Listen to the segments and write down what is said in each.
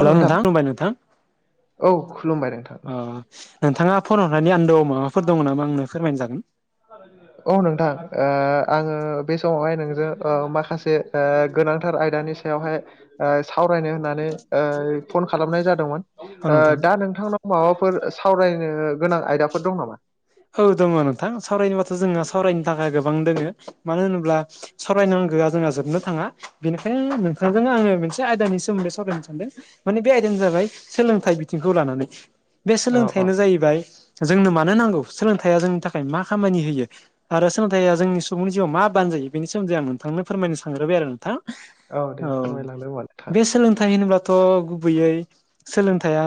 औ हेल' नोंथां नथां। औ खुलुमबाय नोंथां नोंथाङा फर [unintelligible] औ नोंथां ओ आङो बे समावहाय नोंजों ओ माखासे ओ गोनांथार आयदानि सा हाय ओ सावरायनो होननानै ओ फन खालामनाय जादोंमोन औ ओ नोंथां दा नोंथांनाव माबाफोर सावरायनो गोनां आयदाफोर दं नामा औ दङ नोंथां सावरायनोबाथ' जोंहा सावरायनो थाखाय गोबां दोङो मानो होनोब्ला। सरायनांगौआ जोंना जोबनो थाङा। बेनिखायनो नोंथांजोंनो आङो मोनसे आयदानि सोमोन्दै सावरायनो सानदों। माने बे आयदायानो जाबाय सोलोंथाइ बिथिंखौ लानानै। बे औ औ सोलोंथायानो जाहैबाय जोंनो मानो नांगौ सोलोंथाया जोंनि थाखाय मा खामानि होयो आरो सोलोंथाइया जोंनि सुबुंनि जिउआव मा बान जायो बे सोमोन्दै आं नोंथांनो फोरमायनो सांग्रोबाय आरो नोंथां। दे औ फोरमायलांदो होमबा नोंथाङा बे सोलोंथाइ होनोबथ' गुबैयै। सोलोंथाया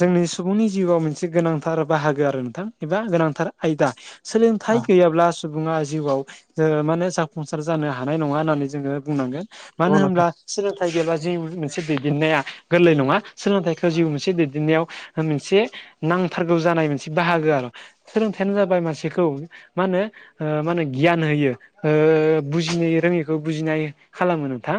जोंनि सुबुंनि जिउआव मोनसे गोनांथार बाहागो आरो नोंथां एबा गोनांथार आयदा सोलोंथाइ औ गैयाब्ला सुबुङा जिउआव जोङो मा होनो जाफुंसार जानो हानाय नङा होननानै जोङो बुंनांगोन। मान नंगौ नोंथां होमब्ला। सोलोंथाइ गैेब्ला जिउ मोनसे दैदेननाया गोरलै नङा सोलोंथाइखौ जिउ मोनसे दैदेननायाव। मोनसे नांथारगौ जानाय मोनसे बाहागो आर सोलोथायानो जाबाय मानसिखौ मा होनो ओ मा होनो गियान होयो ओ बुजिनो रोङिखौ बुजिनाय। खालामो नोंथां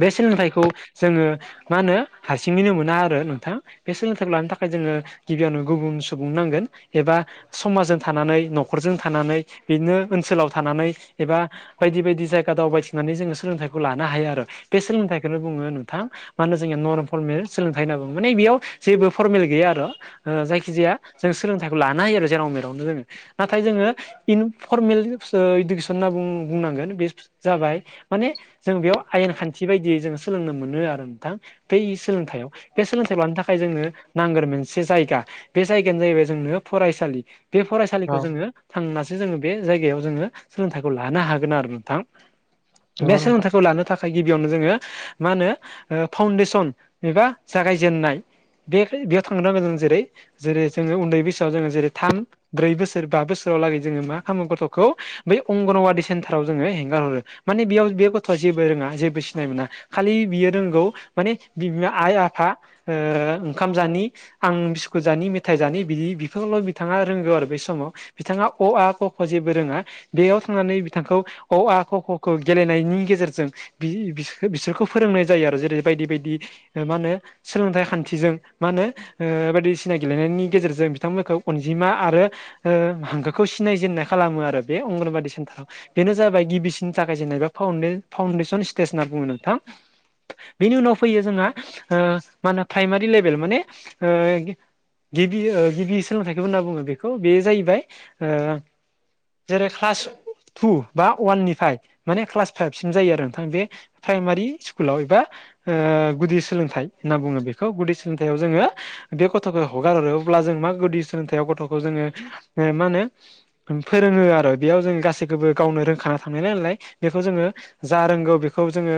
बे सोलोंथाइखौ जोङो। मा होनो हारसिङैनो मोना आरो नोंथां। बे सोलोंथाइखौ लानो थाखाय जोङो गिबियावनो गुबुन सुबुं नांगोन। बा समाजजों थानानै न'खरजों थानानै बिदिनो ओनसोलाव थानानै एबा। बायदि बायदि जायगा दावबायथिनानै जोङो। सोलोंथाइखौ लानो हायो आरो बे सोलोंथाइ खौनो बुङो नोंथां। माहोनो जोंनिया नरमलम सोलोंथाइ होनना माने बेयाव जे बो फरमेल गैया आरो ओ जायखि जाया जों सोलोंथाइखौ लानो हायो आरो जेराव मेरावनो जोङो। नाथाय जोङो इन फरमेल ओ इडुकेसन होनना बुं-बुंनांगोन बे जाबाय माने जों बेयाव आयेन खान्थि बायदियै जोङो सोलोंनो मोनो आरो नोंथां बै सोलोंथायाव। बे सोलोंथाइ मानो थाखाय जोंनो नांगोर मोनसे जायगा बे जायगायानो जाहैबाय जोंनो फरायसालि। बे फरायसालिखौ औ जोङो थांनासो जोङो बे जायगायाव जोङो सोलोंथाइखौ लानो हागोन आरो नोंथां। बे नंगौ नोंथां सोलोंथाइखौ लानो थाखा गिबियावनो जोङो मा होनो ओ फाउन्डेसन एबा जागायजेेननाय। बे बेयाव थांनो नांगोन जों जेरै जेरै जोङो उन्दै बैसो दा जोङो जेरै' थाम ब्रै बोसोर बा बोसोराव लागै जोङो मा खालामो गथ'खौ बै अंगनबादि सेन्टाराव जोङो हेंगार हरो। माने बेयाव बे गथ'आ जेबो रोङा जेबो सिनाय मोना खालि बियो रोंगौ माने बि बिमा आइ आफा ओ ओंखाम जानि आं बिस्कु जानि मेथाइ जानि बिद थख्ल' बिथाङा रोंगौ आरो बे समाव बिथाङा अ आ क ख जेबो रोङा। बेयाव थांनानै बिथांखौ अ आ ख ख खौ गेलेनायनि गेजेरजों बि-बि-बिसोरखौ फोरोंनाय जायो आरो जेरै बायदि बायदि मा होनो सोलोंथाइ खान्थिजों मा होनो बायदिसिना गेलेनायनि गेजेरजों बिथांमोनखौ अनजिमा आरो हांखोखौ सिनायजेननाय खालामो आरो बे अंगनबादि सेन्टाराव बेनो जाबाय गिबिसिननि थाखाय जेनेबा फावनदेन फाउन्डेसन स्टेज होनना बुङो नोंथां बेनि उनाव फैयो जोंहा मा होनो प्राइमारि लेभेल माने गिबि बि सोलोंथाइखौबो होनना बुङो बेखौ बेयो जाहैबाय ओ जेरै क्लास टु बा अवान निफ्राय माने क्लास फाइभसिम जायो आरो नोंथां बे प्राइमारि स्कुलाव एबा ओ गुदि सोलोंथाइ होनना बुङो बेखौ गुदि सोलोंथाव जोङो बे गथ'खौ हगार हरोब्ला जों मा गुदि सोलोंथाइ गथ'खौ जोङो मा होनो फोरोङो आरो बेयाव जों गासैखौबो गावनो रोंख थांल नालाय बेखौ जोङो जा रोंगौ बेखौ जोङो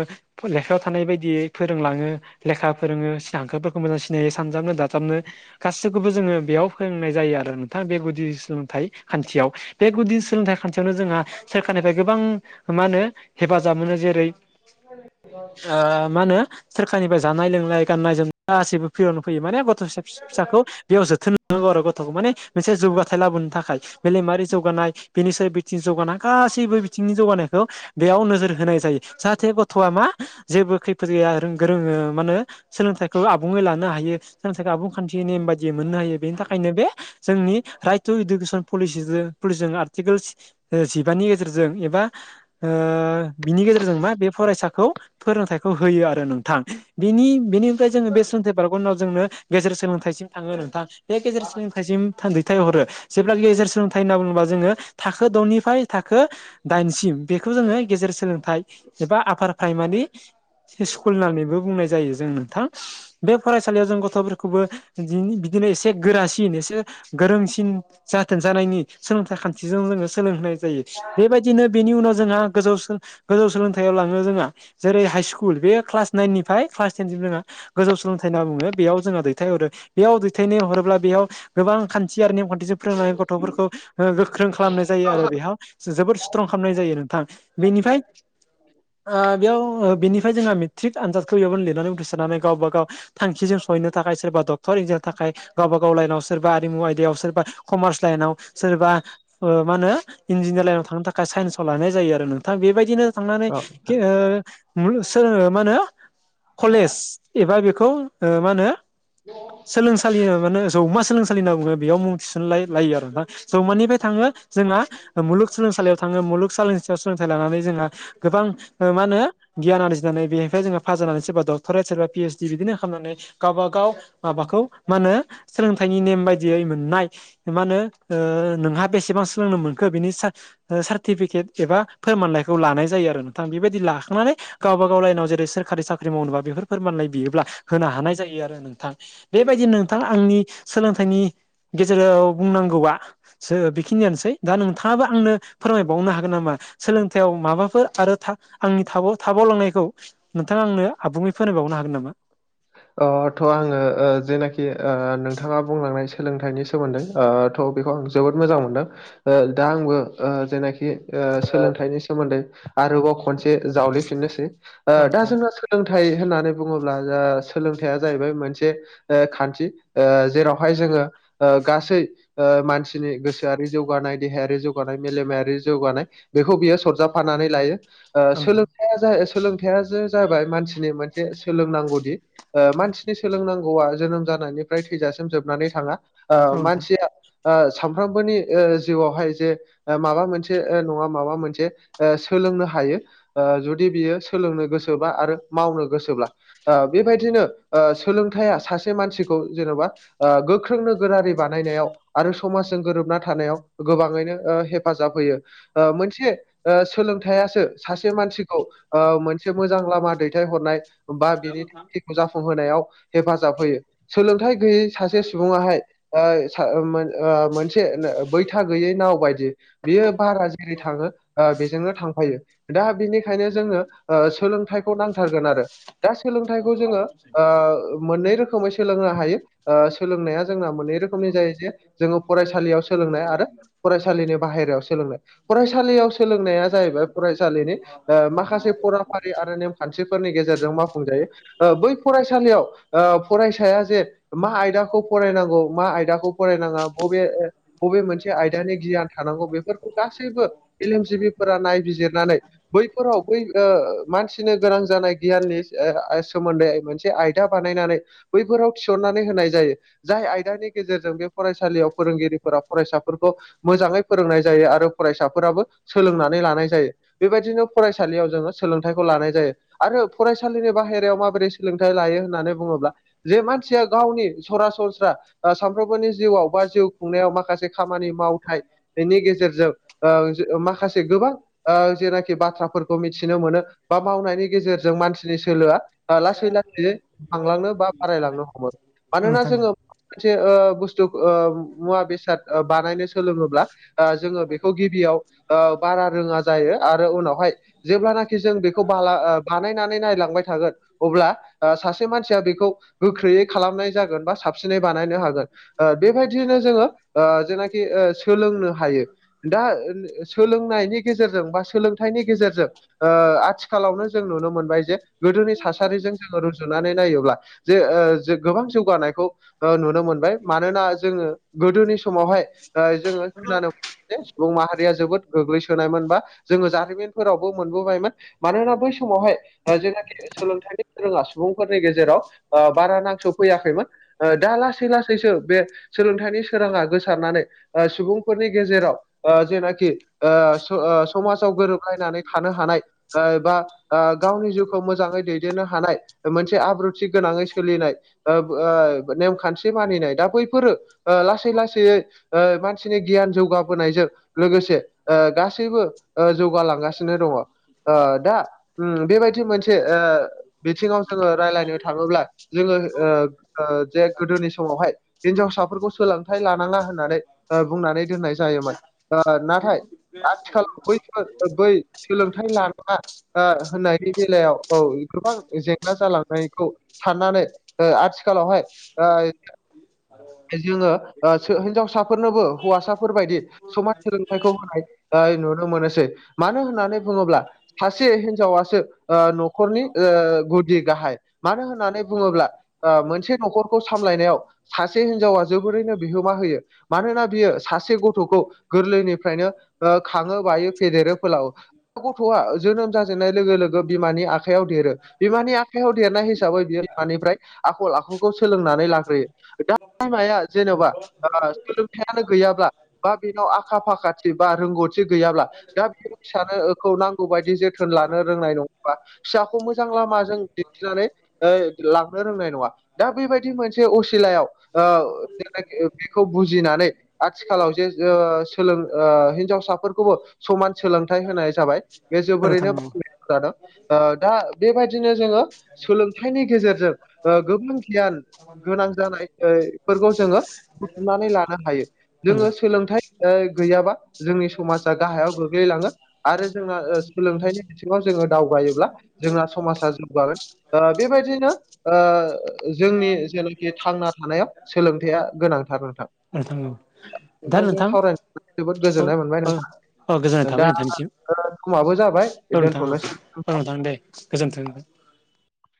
लेखायाव थानाय बायदियै फोरोंलाङो लेखा फोरोङो सि हांखोफोरखौ मोजां सिनायो सानजाबनो दाजाबनो गासैखौबो जोंङो बेयाव फोरोंनाय जायो आरो नोंथां बे गुदि सोलोंथाइ खान्थियाव बे गुदि सोलोंथाइ खान्थियावनो जोंहा सोरखारनिफ्राय गोबां मा होनो हेफाजाब मोनो जेरै [inaudible] ओ मा होनो सोरखारनिफ्राय जानाय लोंनाय गाननाय जोमनाय गाससिबो फ्रियावनो फैयो माने गथ' फिसा-फिसाखौ बेयाव जोथोन लानांगौ आरो गथ'खौ माने मोनसे जौगाथाय लाबोनो थाखाय मेलेमारि जौगानाय बेनिसायाव बिथिं जौगानाया गासैबो बिथिंनि जौगानायखौ बेयाव नोजोर होनाय जायो जाहाथे गथ'आ मा जेबो खैफोद गैया रों गोरोङो मानोे सोलोंथाइखौ आबुङै लानो हायो सोलोंथाइखौ आबुं खान्थि नेम बायदियै मोननो हायो। बेनि थाखायनो बे जोंनि राइट टु इडुकेसन पलि-पलिसि आरटिकलस जिबानि गेजेरजों एबा ओ बिनि गेजेरजों मा बे फरायसाखौ फोरोंथाय होयो आरो नोंथां बेनि बेनिफ्राय जोंङो बे सन्थेब बारग'नाव जोंनो गेजेर सोलोंथाइसिम थाङो नोंथां बे गेजेर सोलोंथाइसिम दैथायहरो जेब्ला गेजेर सोलोंथाइ होनना बुङोबा जोङो थाखो द'निफ्राय थाखो दाइनसिम बेखौ जोंङो गेजेर सोलोंथाइ एबा आपार प्राइमारि स्कुल होननानैबो बुंनाय जायो जों नोंथां बे फरायसालियाव जों गथ'फोरखौबो बिदिनो एसे गोरासिन एसे गोरोंसिन जाथों जानायनि सोलोंथाइ खान्थिजों जोंङो सोलोंहाय जायो बेबायदिनो बेनि उनाव जोंहा गोजौ सो गोजौ सोलोंथायाइयाव लाङो जोंहा जेरै हाइ स्कुल बे क्लास नायननिफ्राय क्लास तेन सिम जोंहा गोजौ सोलोंथाइ होनना बुङो बेयाव जोंङो दैथाय हरो बेयाव दैथायनाय हर अब्ला बेयाव गोबां खान्थि आरो नेम खान्थिजों फोरोंनानै गथ'फोरखौ गोख्रों खालामनाय जायो आरो बेयाव जोबोद स्ट्रं खालामनाय जायो नोंथां बेनिफ्राय ओ बेयाव बेनिफ्राय जोंहा मेट्रिक आनजादखौ बेयावनो लिरनानै उथ्रिसा रनानै गावबा गाव थांखिजों सहैनो थाखाय सोरबा डक्टर इजिनि थाखाय गावबा गाव लाइनाव सोरबा आरिमु आयदायाव सोरबा कमार्स लाइनाव सोरबा मा होनो इन्जिनियारिं आव थांनो थाखाय साइन्सव लानाय जायो आरो नोंथां बेबायदिनो थांनानै औ के ओ मा होनो कलेज एबा बेखौ मा होनो सोलोंसालि माने जौ मा सोलोंसालि होनना बुङो बेयाव मुं थिसनलाय लायो आरोना जौमानिफ्राय थाङो जोंना मुलुगसोलोंसालियाव थाङो मुलुग सोलों सोलोंथाइ लानानै जोंहा गोबां मा होनो गियान आरजिनानै बेनिफ्राय जोंङो पास जानानै सोरबा डक्ट'रेट सोरबा पिओइसडि बिदिनो खालामनानै गावबा गाव माबाखौ मा होनो सोलोंथाइनि नेम बायदियै मोननाय मा होनो नोंहा बेसेबां सोलोंनो मोनखो बिनि सा सार्टिफिकेट एबा फोरमानलाइखौ लानाय जायो आरो नोंथां। बेबायदि लाखांनानै गावबागाव लाइनाव जेरै सोरखारि साख्रि मावनोबा बेफोर फोरमानलाइ बियोब्ला होनो हानाय जायो आरो नोंथां। बेबायदिनो नोंथां आंनि सोलोंथाइनि गेजेराव बुंनांगौआ बेखिनियानोसै दा नों थाङाबा आंनो फोरमायबावनो हागोन नामा? सोलोंथायाइयाव माबाफोर आरो था आंनि थाब थाबावलांनायखौ नोंथाङा आंनो आबुंयै फोरमायबावनो हागोन नामा। अ थ आङो जेनाखि नोंथाङा बुंलांनाय सोलोंथाइनि सोमोन्दै थ' बेखौ आं जोबोद मोजां मोनदों दा आंबो जेनाखि ओ सोलोंथाइनि सोमोन्दै आरोबाव खनसे जावलिफिननोसै औ दा नोंथां जोंङो सोलोंथाइ होननानै बुङोब्ला जा सोलोंथाइया जाहैबाय मोनसे खान्थि जेरावहाय जोंङो गासै ओ मानसिनि गोसोआरि जौगानाय देहायारि जौगानाय मेलेमायारि जौगानाय बेखौ बियो सरजाफानानै लायो। औ नोंथां सोलों सोलोंथायाइ जो जाबाय मानसिनि मोनसे सोलोंनांगौदि मानसिनि सोलोंनांगौआ जोनोम जानायनिफ्राय थैजासिम जोबनानै थाङा। औ ओ नोंथां मानसिया सामफ्रामबोनि जिउआवहाय जे माबा मोनसे नङा माबा मोनसे सोलोंनो हायो। जुदि बियो सोलोंनो गोसोब्ला आरो मावनो गोसोब्ला। बेबायदिनो सोलोंथाया सासे मानसिखौ जेन'बा गोख्रों नोगोरारि बानायनायाव आरो समाजजों गोरोबना थानायाव गोबाङैनो हेफाजाब होयो। मोनसे सोलोंथाइसो सासे मानसिखौ मोनसे मोजां लामा दैथाय हरनाय बा बिनि थांखिखौ जाफुंहोनायाव हेफाजाब होयो। सोलोंथाइ गैयै सासे सुबुङाहाय मोनसे बैथा गैयै नाव बायदि बेयो बारा जेरै थाङो बेजोंनो थांफायो दा बिनिखायनो जोङो सोलोंथाइखौ नांथारगोन आरो दा सोलोंथाइ मोननै रोखोमै सोलोंनो हायो सोलोंनाया जोंना मोन बे रोखोमनि जायो जे जोङो फरायसालियाव सोलोंनाय आरो फरायसालिनि बाहेरायाव सोलोंनायनि फरायसालियाव सोलोंनाया जाहैबाय फरायसालिनि माखासे फराफारि आरो नेम खान्थिफोरनि गेजेरजों मावफुंजायो। बै फरायसालियाव फरायसाया जे मा आयदाखौ फरायनांगौ मा आयदाखौ फरायनाङा बबे बबे मोनसे आयदानि गियान थानांगौ बेफोरखौ गासैबो मेलेमजिबिफोरा नायबिजिरनानै बैफोराव बै मानसिनो गोनां जानाय गियाननि सोमोन्दै मोनसे आयदा बानायनानै बैफोराव थिसननानै होनाय जायो। जाय आयदानि गेजेरजों बे फरायसालियाव फोरोंगिरिफोरा फरायसाफोरखौ मोजाङै फोरोंनाय जायो आरो फरायसाफोराबो सोलोंनानै लानाय जायो। बेबायदिनो फरायसालियाव जोङो सोलोंथाइखौ लानाय जायो आरो फरायसालिनि बाहेरायाव माब माबोरै सोलोंथाइ लायो होन्नानै बुङोब्ला जे मानसिया गावनि सरासनस्रा सामफ्रोमबोनि जिउआव बा जिउ खुंनायाव माखासे खामानि मावथायनि गेजेरजों माखासे गोबां जेनाखि बाथ्राफोरखौ मिथिनो मोनो बा मावनायनि गेजेरजों मानसिनि सोलोआ लासै लासै थांलांनो बा बारायलांनो हमो। औ मानोना नोंथां जोङो औ मोनसे बुस्थु मुवा बेसाद बानायनो सोलोङोब्ला जोङो बेखौ गिबियाव बारा रोङा जायो आरो उनावहाय जेब्लानाखि जों बेखौ बाला बानायनानै नायलांबाय थागोन। अब्ला सासे मानसिया बेखौ गोख्रैयै खालामनाय जागोन बा साबसिनै बानायनो हागोन ओ बेबायदियैनो जोङो ओ जेनाखि ओ सोलोंनो हायो दा सोलोंनायनि गेजेरजों बा सोलोंथाइनि गेजेरजों ओ आथिखालावनो जों नुनो मोनबाय जे गोदोनि सासे थासारिजों जोङो रुजुनानै नायोब्ला जे ओ गोबां जौगानायखौ ओ नुनो मोनबाय मानोना जोङो गोदोनि समावहाय ओ जोङो खोनानो मो नौ जे सुबुं माहारिया जोबोद गोग्लैसोनायमोन बा जोङो जारिमिनफोरावबो मोनबोबायमोन मानोना बै समावहाय जेनाखि सोलोंथाइ रोङा सुबुंफोरनि गेजेराव ओ बारा नांस'फैयाखैमोन ओ दा लासै लासैसो बे सोलोंथाइनि सोराङा गोसारनानै ओ सुबुंफोरनि गेजेराव जेनाखि ओ ओ समाजाव गोरोबलायनानै थानो हानाय ओ बा ओ गावनि जिउखौ मोजाङै दै दिनखयथिनो हानाय मोनसे आब्रुथि गोनाङै सोलिनाय ओ ओ नेमखान्थि मानिनाय दा बैफोरो ओ लासै लासैयै ओ मानसिनि गियान जौगाबोनायजों लोगोसे ओ गासै गासैबो जौगालांगासिनो दङ ओ दा ओम बेबायदि मोनसे ओ बिथिङाव जोङो रायज्लायनो थाङोब्ला जोङो ओ ओ जे गोदोनि समावहाय हिन्जावसाफोरखौ सोलोंथाइ लानाङा होननानै ओ बुंनानै दोननाय जायोमोन ओ नाथाय आथिखालाव बैफोर बै सोलोंथाइ लाना ओ होननायनि बेलायाव औ गोबां जेंना जालांनायखौ साननानै ओ आथिखालावहाय ओ जोङो ओ हिनजावसाफोरनोबो हौवासाफोरबायदि समाज सोलोंथाइखौ होनाय ओ नुनो मोनोसै मानो होननानै बुङोब्ला सासे हिन्जावासो ओ न'खरनि ओ गुदि गाहाय मानो होननानै बुङोब्ला ओ मोनसे न'खरखौ सामलायनायाव सा से हिन्जावा जोबोरैनो बिहोमा होयो। मानोना बियो सासे गथ'खौ गोरलैनिफ्रायनो ओ खाङो बायो फेदेरो फोलावो गथ'आ जोनोम जाजेननाय लोगो लोगो बिमानि आखायाव देरो बिमानि आखायाव देरनाय हिसाबै बियो बिमानिफ्राय आखल आखुखौ सोलोंनानै लाग्रोयो बिमाया जेन'बा ओ सोलोंथाइयानो गैयाब्ला बा बेनाव आखा फाखाथि बा रोंगौ थि गैयाब्ला दा बे [inaudible] गौ बायदि जोथोन लानो रोंनाय नङा फिसाखौ मोजां लामाजों दिन्थिनानै ओ लांनो रोंनाय नङा दा बेबायदि मोनसे असिलायाव ओ बेखौ बुजिनानै आथिखालाव जे ओ सोलों ओ हिनजावसाफोरखौबो समान सोलोंथाइ होनाय जाबाय बे नोंथां जोबोरैनो औ [inaudible] जादों ओ दा बेबायदिनो जोङो सोलोंथाइनि गेजेरजों ओ गोबां गियान गोनां जानाय ओ फोरखौ जोङो बुथुमनानै लानो हायो औ जोङो सोलोंथाइ ओ गैयाबा जोंनि समाजा गाहायाव गोग्लैलाङो आरो जोंना ओ सोलोंथाइनि बिथिङाव जोङो दावगायोब्ला जोंना समाजा जौगागोन ओ बेबायदिनो ओ जोंनि जेनाखि थांना थानायाव सोलोंथाया गोनांथार नोंथां नोंथां औ दा नोंथांजों नोंथां सावरायनानै जोबोद औ गोजोननाय मोनबाय औ औ गोजोननाय नोंथां थाबाय दा नोंथांनिसिम ओ समाबो जाबाय औ नोंथां औ दोनथ'नोसै औ नोंथां दे गोजोन्थों